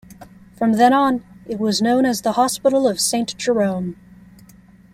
From then on it was known as the Hospital of Saint Jerome.